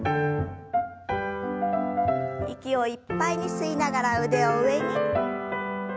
息をいっぱいに吸いながら腕を上に。